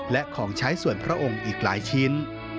และของใช้ส่วนพระองค์อีกหลายชิ้น